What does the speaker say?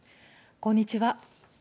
こんにちは。